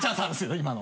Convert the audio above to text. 今の。